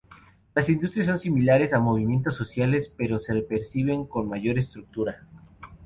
Las industrias son similares a movimientos sociales pero se perciben con mayor estructura.